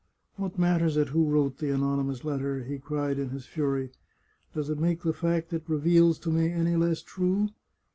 " What matters it who wrote the anonymous letter ?" he cried in his fury. " Does it make the fact it reveals to me any less true